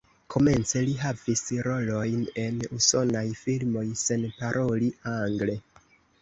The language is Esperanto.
Komence li havis rolojn en usonaj filmoj sen paroli angle.